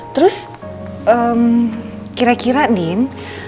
terus kira kira din